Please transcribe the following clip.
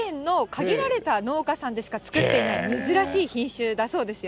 千葉県の限られた農家さんでしか作っていない珍しい品種だそうですよ。